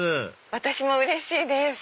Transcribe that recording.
私もうれしいです！